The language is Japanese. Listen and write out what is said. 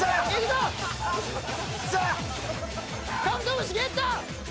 カブトムシゲット！